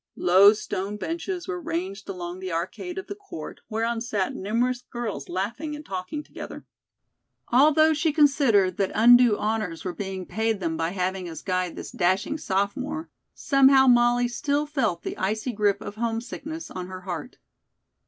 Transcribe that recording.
Low stone benches were ranged along the arcade of the court, whereon sat numerous girls laughing and talking together. Although she considered that undue honors were being paid them by having as guide this dashing sophomore, somehow Molly still felt the icy grip of homesickness on her heart.